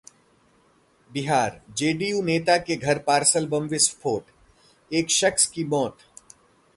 Bihar: JDU नेता के घर पार्सल बम विस्फोट, एक शख्स की मौत